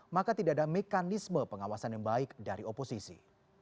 maka tidak ada mekanisme pengawasan yang baik dari oposisi